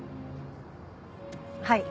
はい。